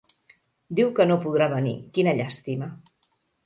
Diu que no podrà venir: quina llàstima!